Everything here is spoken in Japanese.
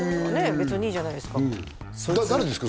別にいいじゃないですか誰ですか？